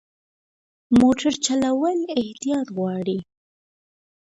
موټر چلول احتیاط غواړي.